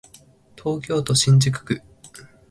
東京都新宿区